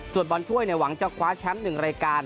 ส่วนบอลถ้วยหวังจะคว้าแชมป์๑รายการ